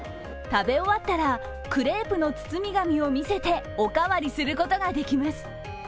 食べ終わったらクレープの包み紙を見せておかわりすることができます。